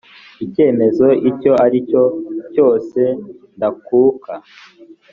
icyemezo icyo ari cyo cyose ndakuka